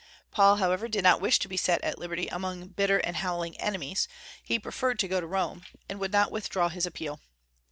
Paul, however, did not wish to be set at liberty among bitter and howling enemies; he preferred to go to Rome, and would not withdraw his appeal.